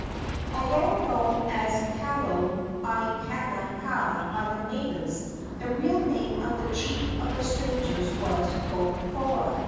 Although known as Kalo Aikanaka by the natives, the real name of the chief of the strangers was Kokoa.